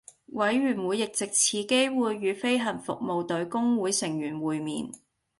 委員會亦藉此機會與飛行服務隊工會成員會面